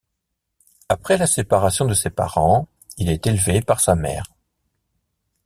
Après la séparation de ses parents, il est élevé par sa mère.